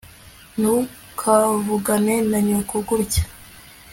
ntukavugane na nyoko gutya